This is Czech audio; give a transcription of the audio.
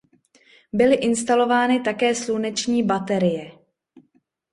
Byly instalovány také sluneční baterie.